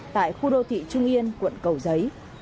tại khu đô thị trung yên quận cầu giấy